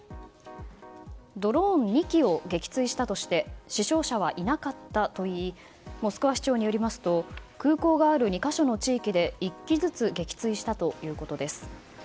ドローン２機を撃墜したとして死傷者はいなかったといいモスクワ市長によりますと空港がある２か所の地域で１機ずつ撃墜したということです。